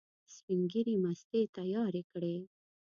سپین ږیري مستې تیارې کړې.